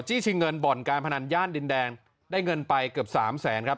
ชิงเงินบ่อนการพนันย่านดินแดงได้เงินไปเกือบสามแสนครับ